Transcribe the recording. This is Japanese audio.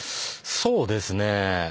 そうですね。